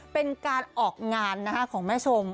เป็นการออกงานนะคะของแม่ชม